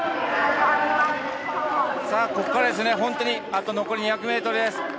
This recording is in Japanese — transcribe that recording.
ここからですよね、本当にあと残り２００ｍです。